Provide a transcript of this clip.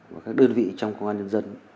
và các đơn vị trong công an nhân dân